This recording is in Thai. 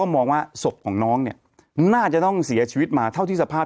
มองว่าศพของน้องเนี่ยน่าจะต้องเสียชีวิตมาเท่าที่สภาพ